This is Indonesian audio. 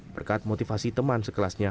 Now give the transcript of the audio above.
berkat motivasi teman sekelasnya